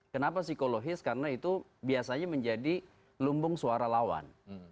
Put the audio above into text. kenapa psikologis karena itu biasanya menjadi lumbung suara lawan